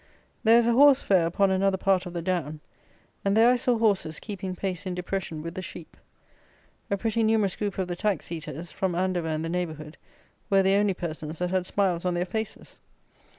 There is a horse fair upon another part of the down; and there I saw horses keeping pace in depression with the sheep. A pretty numerous group of the tax eaters, from Andover and the neighbourhood, were the only persons that had smiles on their faces.